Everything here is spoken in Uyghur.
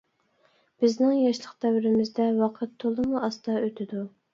بىزنىڭ ياشلىق دەۋرىمىزدە ۋاقىت تولىمۇ ئاستا ئۆتىدۇ.